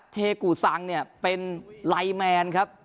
เทกูซังเนี่ยเป็นไลแมนครับ